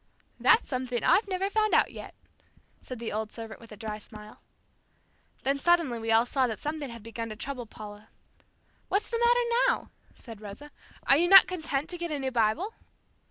"That's something I've never yet found out," said the old servant with a dry smile. Then suddenly we all saw that something had begun to trouble Paula. "What's the matter now?" said Rosa. "Are you not content to get a new Bible?"